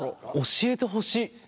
教えてほしい。